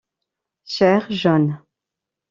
Chair jaune.